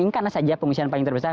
ini kan saja pengungsian paling terbesar